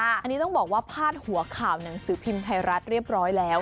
อันนี้ต้องบอกว่าพาดหัวข่าวหนังสือพิมพ์ไทยรัฐเรียบร้อยแล้ว